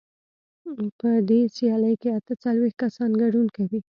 په دې سیالۍ کې اته څلوېښت کسان ګډون کوي.